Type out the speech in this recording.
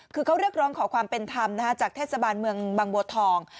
คือเขาเรียกร้องขอความเป็นธรรมจากเทศบาลเมืองบางบัวทอง